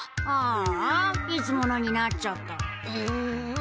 ああいつものになっちゃった。